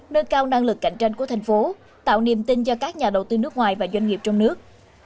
nâng cao năng lực cạnh tranh của thành phố tạo niềm tin cho các nhà đầu tư nước ngoài và doanh nghiệp trong nước